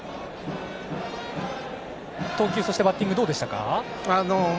投球、バッティングはどうでしたか？